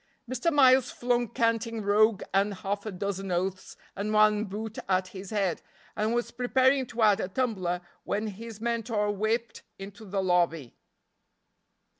Mr. Miles flung canting rogue and half a dozen oaths and one boot at his head, and was preparing to add a tumbler, when his mentor whipped into the lobby.